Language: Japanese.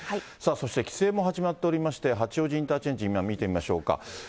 そして帰省も始まっておりまして、八王子インターチェンジ、今、見てみましょうか。